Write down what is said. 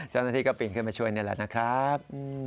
เจ้าหน้าที่ก็ปีนขึ้นมาช่วยนี่แหละนะครับ